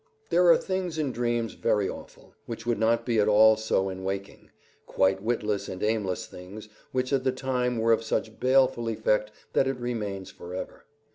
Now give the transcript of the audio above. IV There are things in dreams very awful, which would not be at all so in waking quite witless and aimless things, which at the time were of such baleful effect that it remains forever.